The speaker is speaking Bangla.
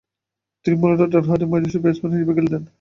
তিনি মূলতঃ ডানহাতি মাঝারিসারির ব্যাটসম্যান হিসেবে খেলতেন।